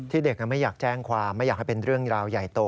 เด็กไม่อยากแจ้งความไม่อยากให้เป็นเรื่องราวใหญ่โต